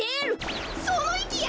そのいきや！